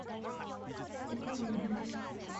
猫より犬派です